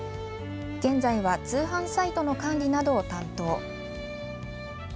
現在は通販サイトの管理などを担当。